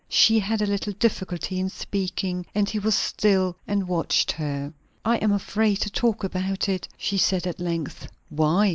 She had a little difficulty in speaking, and he was still and watched her. "I am afraid to talk about it," she said at length, "Why?"